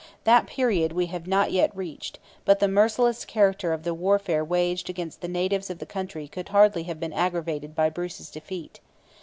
That period we have not yet reached, but the merciless character of the warfare waged against the natives of the country could hardly have been aggravated by Bruce's defeat.